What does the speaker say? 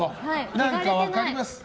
何か分かります。